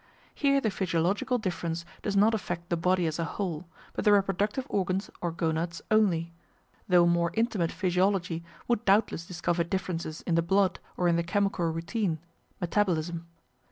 Here the physiological difference does not affect the body as a whole, but the reproductive organs or gonads only, though more intimate physiology would doubtless discover differences in the blood or in the chemical routine (metabolism).